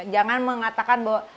jangan mengatakan bahwa